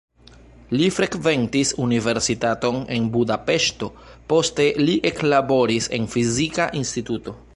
Li frekventis universitaton en Budapeŝto, poste li eklaboris en fizika instituto.